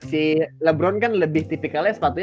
si labron kan lebih tipikalnya sepatunya